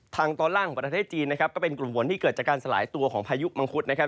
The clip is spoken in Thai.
ทางตอนล่างของประเทศจีนนะครับก็เป็นกลุ่มฝนที่เกิดจากการสลายตัวของพายุมังคุดนะครับ